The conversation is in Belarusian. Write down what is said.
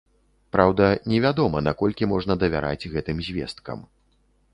Праўда, невядома, наколькі можна давяраць гэтым звесткам.